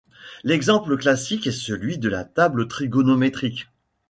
L'exemple classique est celui de la table trigonométrique.